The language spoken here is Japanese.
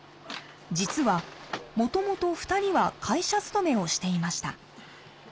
実は元々２人は会社勤めをしていました。